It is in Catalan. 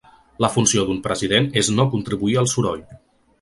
“La funció d’un president és no contribuir al soroll”.